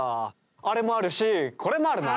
あれもあるしこれもあるな。